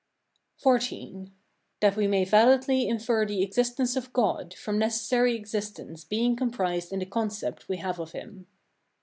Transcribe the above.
XIV. That we may validly infer the existence of God from necessary existence being comprised in the concept we have of him.